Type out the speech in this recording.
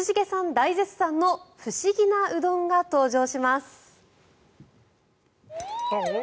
大絶賛の不思議なうどんが登場します。